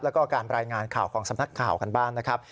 แล้วก็การรายงานข่าวของสำนักข่าวกันบ้างนะครับ